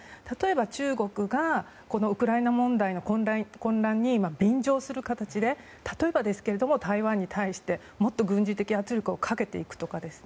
例えば、中国がウクライナ問題の混乱に便乗する形で例えばですけど台湾に対して、もっと軍事的圧力をかけていくとか